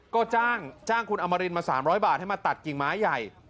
ก็จ้างคุณอมรินมา๓๐๐บาทให้มาตัดกิ่งไม้ใหญ่